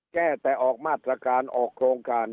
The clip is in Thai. แก้แต่ออกมาตรการออกโครงการ